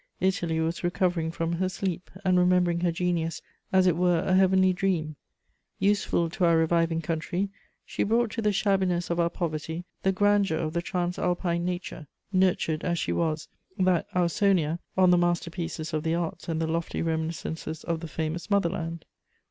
Italy was recovering from her sleep, and remembering her genius as it were a heavenly dream: useful to our reviving country, she brought to the shabbiness of our poverty the grandeur of the Transalpine nature, nurtured as she was, that Ausonia, on the master pieces of the arts and the lofty reminiscences of the famous motherland.